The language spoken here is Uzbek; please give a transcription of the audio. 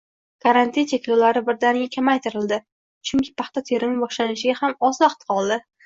Karantin cheklovlari birdaniga kamaytirildi. Chunki paxta terimi boshlanishiga ham oz vaqt qoldi